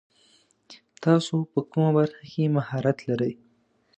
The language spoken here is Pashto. تاسو په کومه برخه کې مهارت لري ؟